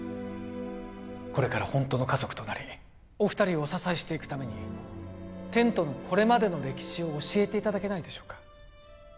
これからホントの家族となりお二人をお支えしていくためにテントのこれまでの歴史を教えていただけないでしょうか？